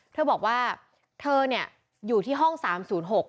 เธอบอกว่าเธอเนี่ยอยู่ที่ห้องสามศูนย์หก